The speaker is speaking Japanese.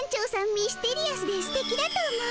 ミステリアスですてきだと思う。